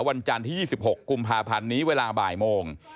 วันจันทร์ที่๒๖กุมภาพันธ์นี้เวลาบ่ายโมง